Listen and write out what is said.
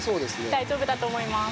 大丈夫だと思います。